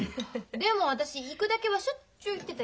でも私行くだけはしょっちゅう行ってたよ。